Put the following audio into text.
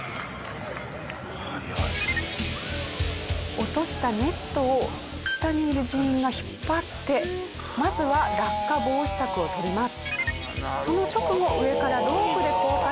落としたネットを下にいる人員が引っ張ってまずは落下防止策をとります。